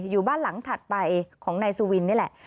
อยู่บ้านหลังถัดไปของนายสุวินนี่แหละ